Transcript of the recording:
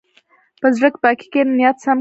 په زړه پاکۍ کښېنه، نیت سم کړه.